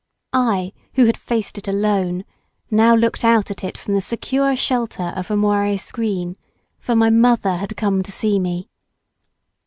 I, who had faced it alone, now looked out at it from the secure shelter of a moiré screen—for my mother had come to see me.